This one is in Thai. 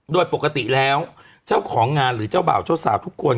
โดยปกติแล้วเจ้าของงานหรือเจ้าบ่าวเจ้าสาวทุกคน